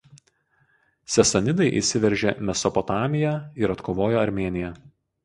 Sasanidai įsiveržė Mesopotamiją ir atkovojo Armėniją.